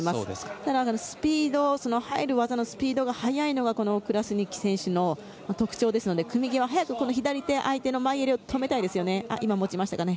ただ入る技のスピードが速いのがクラスニチ選手の特徴ですので、組み際早く相手の前襟を止めたいです。